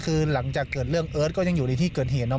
คือหลังจากเกิดเรื่องเอิร์ทก็ยังอยู่ในที่เกิดเหตุเนาะ